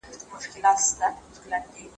ده ديني علوم له نامتو عالمانو څخه ولوستل.